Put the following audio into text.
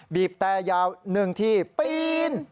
บีบแต่ยาว๑ที่ปีน